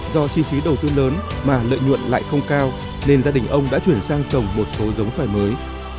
do chi phí đầu tư lớn mà lợi nhuận lại không cao nên gia đình ông đã chuyển sang trồng một số giống xoài mới